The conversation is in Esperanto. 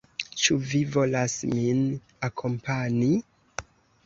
Ĉu vi volas min akompani?